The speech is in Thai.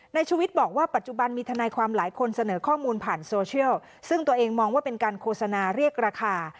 ชุวิตบอกว่าปัจจุบันมีทนายความหลายคนเสนอข้อมูลผ่านโซเชียลซึ่งตัวเองมองว่าเป็นการโฆษณาเรียกราคา